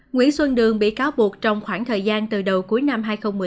nguyễn xuân đường bị cáo buộc trong khoảng thời gian từ đầu cuối năm hai nghìn một mươi tám